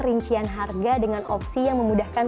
rincian harga dengan opsi yang memudahkan